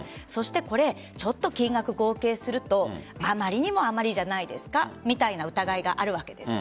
これちょっと金額を合計するとあまりにもあまりじゃないですかみたいな疑いがあるわけです。